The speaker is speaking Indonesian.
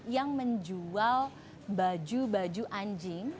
yang menjual baju baju anjing